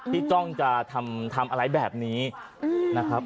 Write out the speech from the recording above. จ้องจะทำอะไรแบบนี้นะครับ